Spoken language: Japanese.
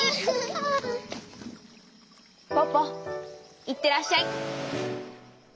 ポポいってらっしゃい！